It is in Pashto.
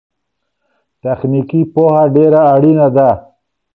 تخنيکي پوهه ډېره اړينه ده.